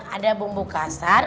ada bumbu kasar